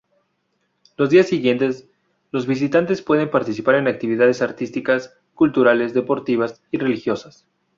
Los días siguientes los visitantes pueden participar en actividades artísticas, culturales, deportivas y religiosas.